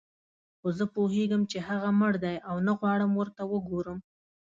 خو زه پوهېږم چې هغه مړ دی او نه غواړم ورته وګورم.